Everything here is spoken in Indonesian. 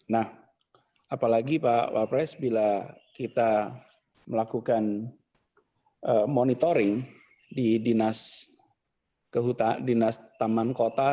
nah apalagi pak wapres bila kita melakukan monitoring di dinas taman kota